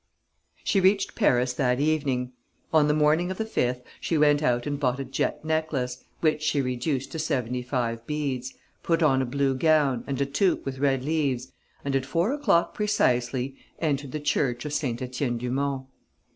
She reached Paris that evening. On the morning of the 5th she went out and bought a jet necklace, which she reduced to seventy five beads, put on a blue gown and a toque with red leaves and, at four o'clock precisely, entered the church of Saint Étienne du Mont.